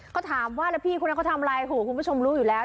แล้วพี่คุณนะก็ทำอะไรคุณผู้ชมรู้อยู่แล้ว